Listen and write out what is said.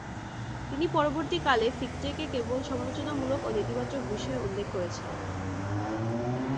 তিনি পরবর্তীকালে ফিকটেকে কেবল সমালোচনামূলক ও নেতিবাচক বিষয়ে উল্লেখ করেছেন।